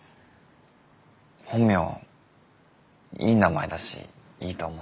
本名いい名前だしいいと思う。